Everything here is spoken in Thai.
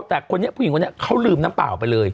แต่คนนี้ผู้หญิงคนนี้เขาลืมน้ำเปล่าไปเลย